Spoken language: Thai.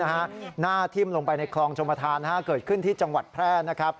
หน้าทิ่มลงไปในคลองชมธานเกิดขึ้นที่จังหวัดแพร่นะครับ